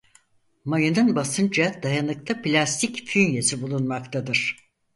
Mayının basınca dayanıklı plastik fünyesi bulunmaktadır.